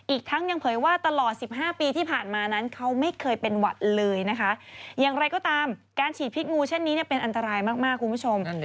อีกทั้งยังเผยว่าตลอด๑๕ปีที่ผ่านมานั้นเขาไม่เคยเป็นหวัดเลยนะคะอย่างไรก็ตามการฉีดพิษงูเช่นนี้เนี่ยเป็นอันตรายมากคุณผู้ชม